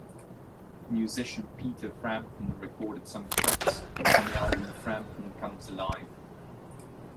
Musician Peter Frampton recorded some tracks on the album Frampton Comes Alive!